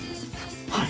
はい！